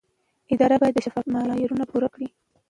اداره باید د شفافیت معیارونه پوره کړي.